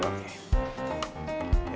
ya udah oke